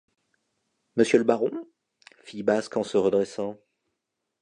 Monsieur le baron ? fit Basque en se redressant.